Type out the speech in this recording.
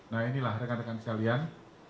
nah inilah rekan rekan sekalian